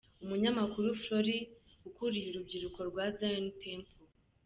Umunyamakuru Flory ukuriye urubyiruko rwa Zion Temple.